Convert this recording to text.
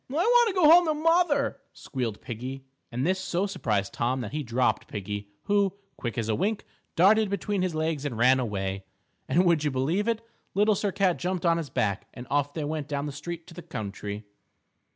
"I want to go home to mother," squealed Piggie, and this so surprised Tom that he dropped Piggie, who, quick as a wink, darted between his legs and ran away. And, would you believe it? Little Sir Cat jumped on his back, and off they went down the street to the country.